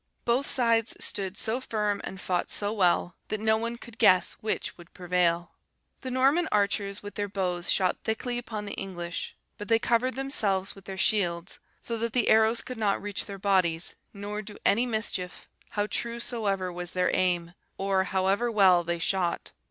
Both sides stood so firm and fought so well, that no one could guess which would prevail. The Norman archers with their bows shot thickly upon the English; but they covered themselves with their shields, so that the arrows could not reach their bodies, nor do any mischief, how true soever was their aim, or however well they shot.